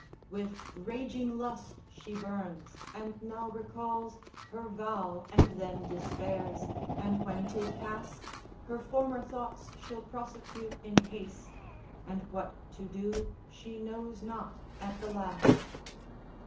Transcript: With raging lust she burns, and now recalls Her vow, and then despairs, and when 'tis past, Her former thoughts she'll prosecute in haste, And what to do she knows not at the last.